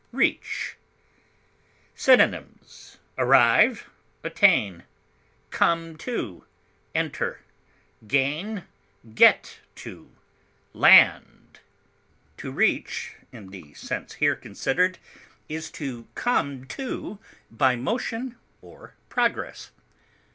REACH. Synonyms: arrive, attain, come to, enter, gain, get to, land. To reach, in the sense here considered, is to come to by motion or progress.